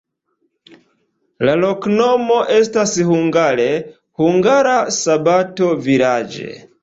La loknomo estas hungare: hungara-sabato-vilaĝ'.